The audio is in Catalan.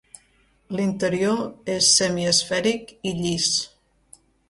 L'interior és semiesfèric i llis.